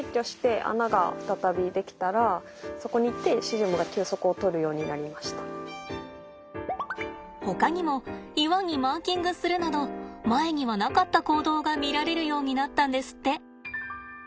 擬岩の穴があったんですけどほかにも岩にマーキングするなど前にはなかった行動が見られるようになったんですって。